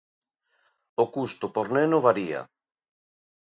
O custo por neno varía.